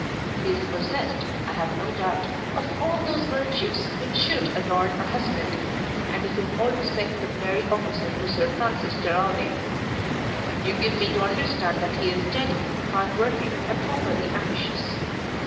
He is possessed, I have no doubt, of all those virtues which should adorn a husband, and is in all respects the very opposite to Sir Francis Geraldine. You give me to understand that he is steady, hard working, and properly ambitious.